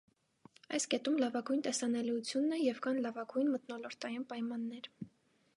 Այս կետում լավագույն տեսանելիությունն է և կան լավագույն մթնոլորտային պայմաններ։